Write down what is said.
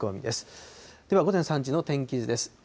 では午前３時の天気図です。